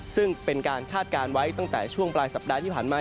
ซึ่งเป็นการคาดการณ์ไว้ตั้งแต่ช่วงปลายสัปดาห์ที่ผ่านมา